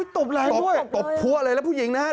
ตบลายด้วยตบเลยตบเลยแล้วผู้หญิงนะครับ